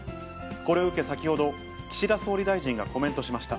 これを受け、先ほど、岸田総理大臣がコメントしました。